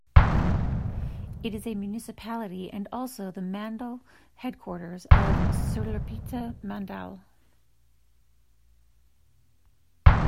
It is a municipality and also the mandal headquarters of Sullurpeta mandal.